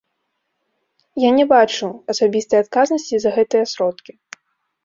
Я не бачу асабістай адказнасці за гэтыя сродкі.